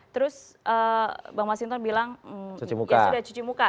terus bang masinton bilang ya sudah cuci muka